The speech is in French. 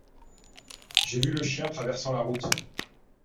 j'ai vu le chien traversant la route.